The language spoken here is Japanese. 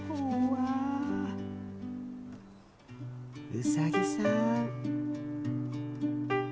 うさぎさん。